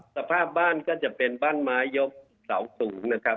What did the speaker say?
สภาพบ้านก็จะเป็นบ้านไม้ยกเสาสูงนะครับ